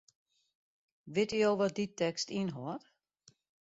Witte jo wat dy tekst ynhâldt?